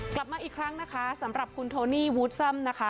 กลับมาอีกครั้งนะคะสำหรับคุณโทนี่วูดซ่ำนะคะ